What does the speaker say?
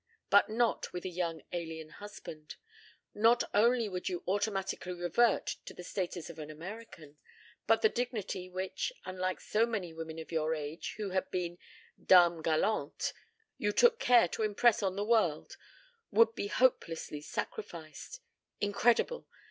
But not with a young alien husband. Not only would you automatically revert to the status of an American, but the dignity which, unlike so many women of your age who had been dames galantes, you took care to impress on the world, would be hopelessly sacrificed. Incredible.